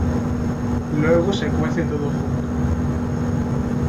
Luego se cuece todo junto.